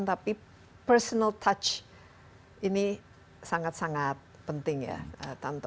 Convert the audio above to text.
tapi touch pribadi ini sangat sangat penting ya tanto